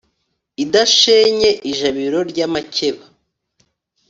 idashenye ijabiro ry'amakeba